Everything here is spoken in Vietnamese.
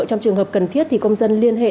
trong trường hợp cần thiết thì công dân liên hệ